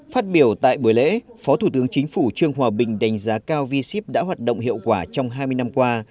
phát biểu tại buổi lễ phó thủ tướng chính phủ trương hòa bình đánh giá cao v ship đã hoạt động hiệu quả trong hai mươi năm qua